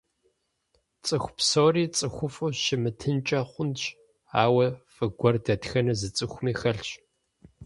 Цӏыху псори цӏыхуфӏу щымытынкӏэ хъунщ, ауэ фӏы гуэр дэтхэнэ зы цӏыхуми хэлъщ.